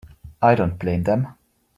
I don't blame them.